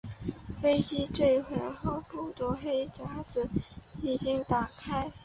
飞机坠毁后不久黑匣子已经找到。